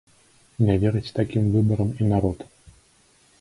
Не верыць такім выбарам і народ.